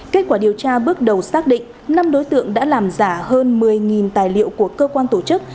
kết quả điều tra bước đầu xác định năm đối tượng đã làm giả hơn một mươi tài liệu của cơ quan tổ chức